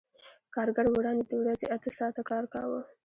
کارګر وړاندې د ورځې اته ساعته کار کاوه